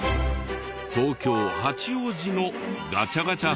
東京八王子のガチャガチャ専門店。